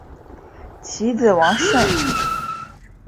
其子王舜。